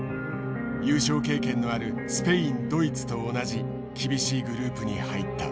優勝経験のあるスペインドイツと同じ厳しいグループに入った。